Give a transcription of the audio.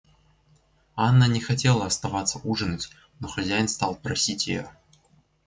Анна не хотела оставаться ужинать, но хозяин стал просить ее.